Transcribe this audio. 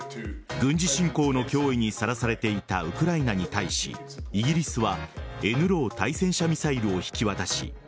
軍事侵攻の脅威にさらされていたウクライナに対しイギリスはＮＬＡＷ対戦車ミサイルを引き渡し